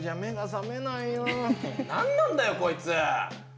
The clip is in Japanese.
何なんだよ、こいつ。